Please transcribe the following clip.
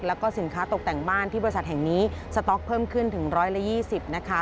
แล้วก็สินค้าตกแต่งบ้านที่บริษัทแห่งนี้สต๊อกเพิ่มขึ้นถึง๑๒๐นะคะ